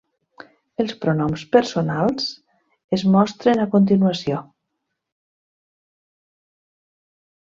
Els pronoms personals es mostren a continuació.